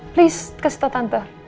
please kasih tau tante